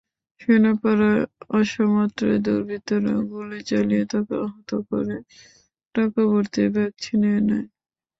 সেনপাড়ায় আসামাত্রই দুর্বৃত্তরা গুলি চালিয়ে তাঁকে আহত করে টাকাভর্তি ব্যাগ ছিনিয়ে নেয়।